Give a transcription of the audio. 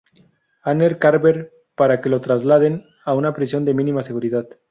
Anne Carver, para que lo trasladen a una prisión de mínima seguridad.